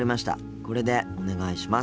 これでお願いします。